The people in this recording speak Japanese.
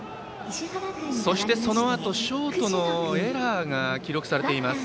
そして、そのあとショートのエラーが記録されています。